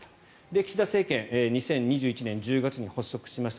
岸田政権、２０２１年１０月に発足しました。